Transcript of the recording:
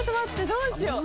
どうしよう？